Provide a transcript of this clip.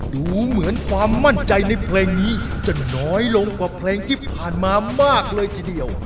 ดูเหมือนความมั่นใจในเพลงนี้จะน้อยลงกว่าเพลงที่ผ่านมามากเลยทีเดียว